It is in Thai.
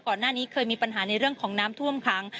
ก่อนหน้านี้เคยมีปัญหาในเรื่องของน้ำท่วมขัง